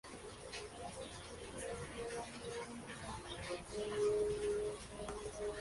Murió en el asedio de Neuss, en el que acompañaba al príncipe.